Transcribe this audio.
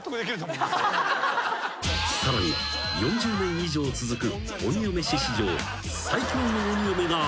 ［さらに４０年以上続く］